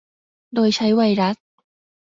โดยใช้ไวรัส